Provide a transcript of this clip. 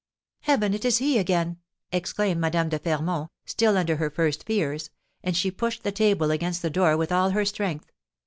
"Heaven, it is he again!" exclaimed Madame de Fermont, still under her first fears; and she pushed the table against the door with all her strength.